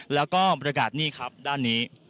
แล้วก็บรรยากาศนี่ครับด้านนี้